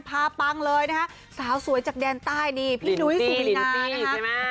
ปังเลยนะคะสาวสวยจากแดนใต้นี่พี่นุ้ยสุรินานะคะ